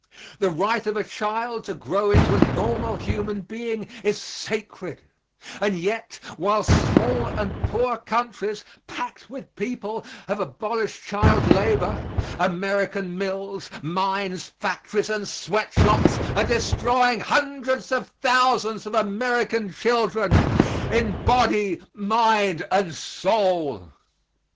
The right of a child to grow into a normal human being is sacred; and yet, while small and poor countries, packed with people, have abolished child labor, American mills, mines, factories and sweat shops are destroying hundreds of thousands of American children in body, mind and soul.